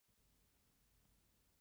橡子织纹螺具有河鲀毒素。